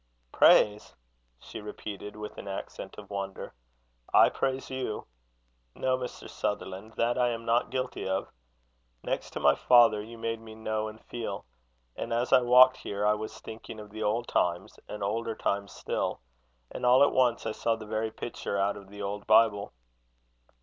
"Praise?" she repeated, with an accent of wonder. "I praise you! No, Mr. Sutherland; that I am not guilty of. Next to my father, you made me know and feel. And as I walked here, I was thinking of the old times, and older times still; and all at once I saw the very picture out of the old Bible."